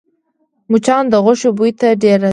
مچان د غوښې بوی ته ډېر راځي